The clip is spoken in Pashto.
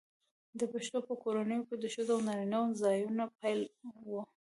د پښتنو په کورونو کې د ښځو او نارینه وو ځایونه بیل وي.